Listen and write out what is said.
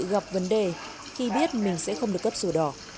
gặp vấn đề khi biết mình sẽ không được cấp sổ đỏ